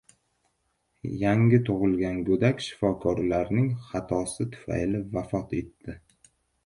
Yangi tug‘ilgan go‘dak shifokorlarning xatosi tufayli vafot etdi